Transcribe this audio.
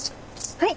はい！